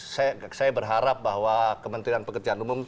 saya berharap bahwa kementerian pekerjaan umum